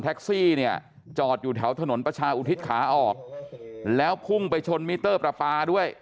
ซี่เนี่ยจอดอยู่แถวถนนประชาอุทิศขาออกแล้วพุ่งไปชนมิเตอร์ประปาด้วย